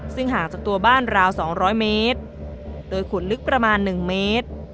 ซึ่งห่างจากตัวบ้านราว๒๐๐เมตรโดยขุดลึกประมาณ๑เมตร